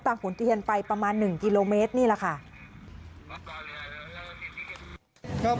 ขุนเทียนไปประมาณ๑กิโลเมตรนี่แหละค่ะ